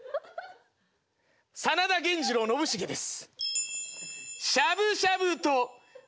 真田源次郎信繁です。